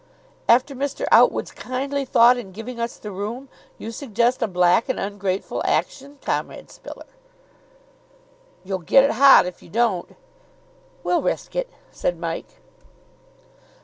"After Mr. Outwood's kindly thought in giving us the room? You suggest a black and ungrateful action, Comrade Spiller." "You'll get it hot, if you don't." "We'll risk it," said Mike.